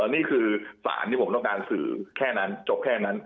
นี่คือสารที่ผมต้องการสื่อแค่นั้นจบแค่นั้น